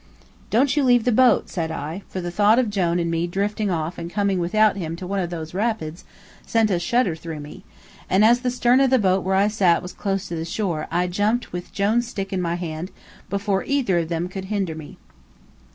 "Don't you leave the boat," said I, for the thought of Jone and me drifting off and coming without him to one of those rapids sent a shudder through me; and as the stern of the boat where I sat was close to the shore I jumped with Jone's stick in my hand before either of them could hinder me.